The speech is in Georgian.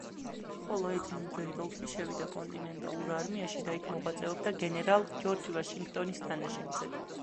ხოლო ედმუნდ რენდოლფი შევიდა კონტინენტალურ არმიაში და იქ მოღვაწეობდა გენერალ ჯოჯრ ვაშინგტონის თანაშემწედ.